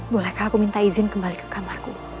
bolehkah aku minta izin kembali ke kamarku